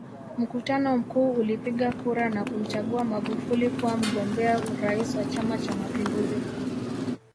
Mkutano mkuu ulipiga kura na kumchagua Magufuli kuwa mgombea urais wa Chama Cha Mapinduzi